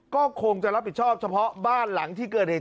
ก็คงจะรับผิดชอบเฉพาะบ้านหลังที่เกิดเหตุ